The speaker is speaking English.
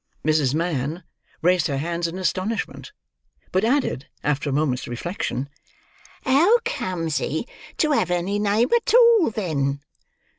Mrs. Mann raised her hands in astonishment; but added, after a moment's reflection, "How comes he to have any name at all, then?"